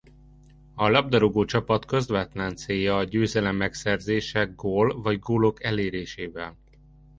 A labdarúgó csapat közvetlen célja a győzelem megszerzése gól vagy gólok elérésével.